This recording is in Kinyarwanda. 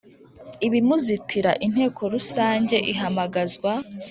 ibimuzitira Inteko Rusange ihamagazwa